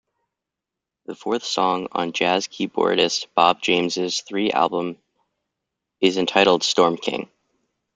The fourth song on jazz keyboardist Bob James' "Three" album is entitled "Storm King.